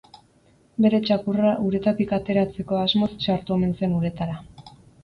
Bere txakurra uretatik ateratzeko asmoz sartu omen zen uretara.